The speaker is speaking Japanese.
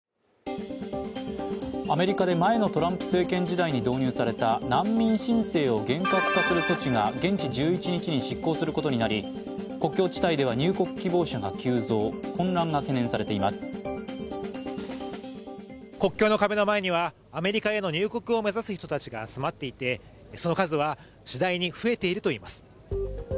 アメリカで前のトランプ政権時代に導入された難民申請を厳格化する措置が現地１１日に失効することになり、国境地帯では入国希望者が急増国境の壁の前にはアメリカへの入国を目指す人たちが集まっていてその数はしだいに増えているといいます。